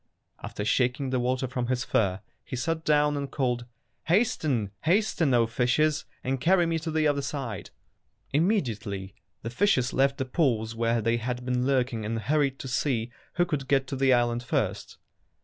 After shaking the water from his fur, he sat down, and called, "Hasten, hasten, O fishes, and carry me to the other side!" 223 Fairy Tale Foxes Immediately the fishes left the pools where they had been lurking and hurried to see who could get to the island first.